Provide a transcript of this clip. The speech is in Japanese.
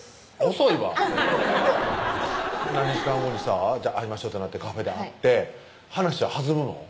遅いわ何日か後にさ会いましょうってなってカフェで会って話は弾むの？